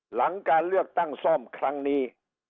หลังการเลือกตั้งซ่อมครั้งนี้